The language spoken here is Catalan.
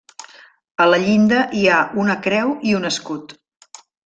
A la llinda hi ha una creu i un escut.